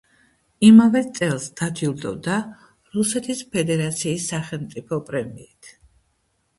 იმავე წელს დაჯილდოვდა რუსეთის ფედერაციის სახელმწიფო პრემიით.